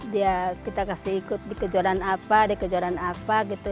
dia kita kasih ikut di kejuaraan apa di kejuaraan apa gitu